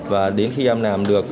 và đến khi em làm được